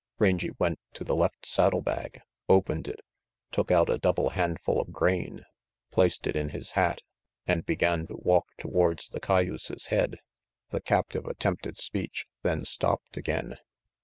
Rangy went to the left saddle bag, opened it, took out a double handful of grain, placed it in his hat, and began to walk towards the cayuse's head. The captive attempted speech, then stopped again.